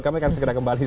kami akan segera kembali